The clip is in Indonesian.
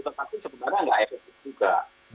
tetapi sebenarnya nggak efektif juga